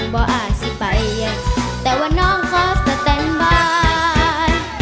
บ่ออาสิไปแต่ว่าน้องก็สแตนบาย